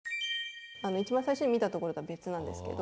一番最初に見た所とは別なんですけど。